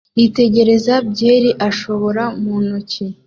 yitegereza byeri ashobora mu ntoki